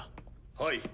はい。